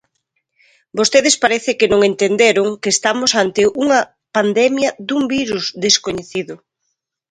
Vostedes parece que non entenderon que estamos ante unha pandemia dun virus descoñecido.